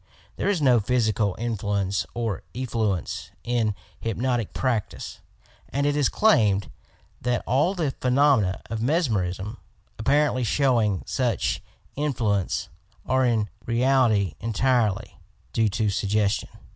There is no physical influence or effluence in hypnotic practice, and it is claimed that all the phenomena of mesmerism, apparently showing such in fluence, are in reality entirely due to suggestion.